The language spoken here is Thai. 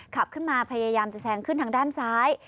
ขับขึ้นมาพยายามจะแซงขึ้นทางด้านซ้าย